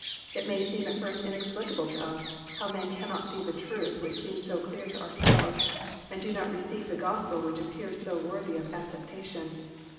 It may seem at first inexplicable to us, how men cannot see the truth which seems so clear to ourselves, and do not re* ceive the Gospel which appears so worthy of acceptation.